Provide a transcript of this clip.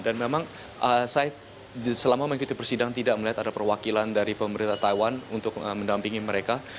dan memang saya selama mengikuti persidang tidak melihat ada perwakilan dari pemerintah taiwan untuk mendampingi mereka